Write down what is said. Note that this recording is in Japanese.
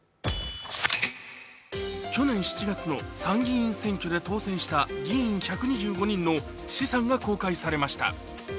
去年７月の参議院選挙で当選した議員１２５人の資産が公開されました。